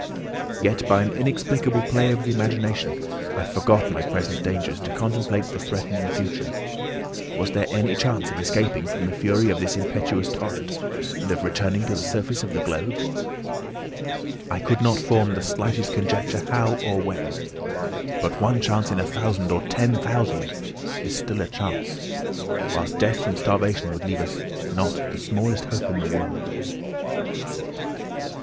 Yet by an inexplicable play of the imagination I forgot my present dangers, to contemplate the threatening future. Was there any chance of escaping from the fury of this impetuous torrent, and of returning to the surface of the globe? I could not form the slightest conjecture how or when. But one chance in a thousand, or ten thousand, is still a chance; whilst death from starvation would leave us not the smallest hope in the world.